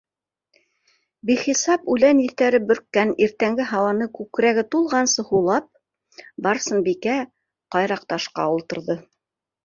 Бихисап үлән еҫтәре бөрккән иртәнге һауаны күкрәге тулғансы һулап, Барсынбикә ҡайраҡташҡа ултырҙы.